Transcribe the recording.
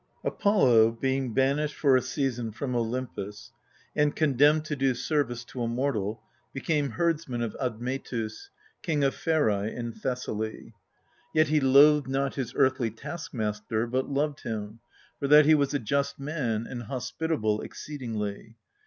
APOLLO, being banished for a season from Olympus, and condemned to do service to a mortal, became herdsman of Admetus, King of Pherse in Thessaly. Yet he loathed not his earthly taskmaster, but loved him, for that he was a just man, and hospitable exceedingly.